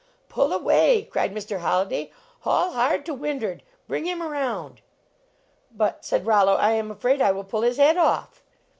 " Pull away," cried Mr. Holliday " Haul hard to wind ard ! Bring him around !" "But," said Rollo, " I am afraid I will pull his head off!"